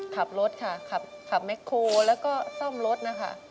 ขับรถค่ะขับแม็กโคแล้วก็ซ่อมรถนะคะ